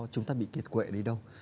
chúng ta bị kiệt quệ đi đâu